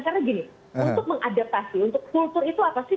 karena gini untuk mengadaptasi untuk culture itu apa sih